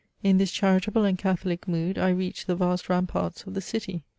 In this charitable and catholic mood I reached the vast ramparts of the city.